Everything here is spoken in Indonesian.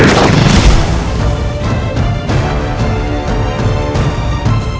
ke imagin tangan anda semua ini